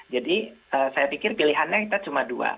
jadi saya pikir pilihannya kita cuma dua